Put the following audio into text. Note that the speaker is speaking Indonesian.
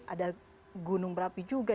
ada gunung berapi juga